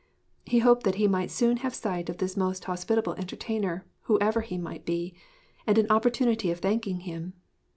He hoped that he might soon have sight of this most hospitable entertainer, whoever he might be, and an opportunity of thanking him.